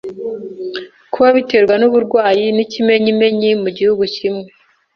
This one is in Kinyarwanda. kuba biterwa n uburwayi N ikimenyimenyi mu gihugu kimwe